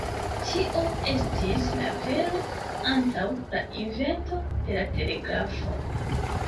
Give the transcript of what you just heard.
Tio estis la vero antaŭ la invento de la telegrafo.